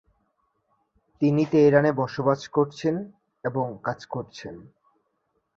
তিনি তেহরানে বসবাস করছেন এবং কাজ করছেন।